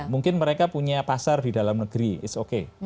mungkin mereka punya pasar di dalam negeri it's okay